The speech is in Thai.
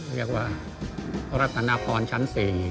เรียกว่ารัฐนภรณ์ชั้น๔